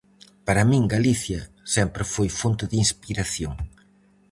Para min Galicia sempre foi fonte de inspiración.